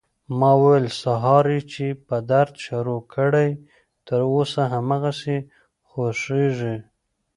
ما وويل سهار يې چې په درد شروع کړى تر اوسه هماغسې خوږېږي.